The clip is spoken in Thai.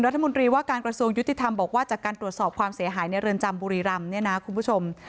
รัฐมนตรีว่าการกระทรวงยุติธรรมบอกว่าจากการตรวจสอบความเสียหายในเรือนจำบุรีรำเนี่ยนะคุณผู้ชม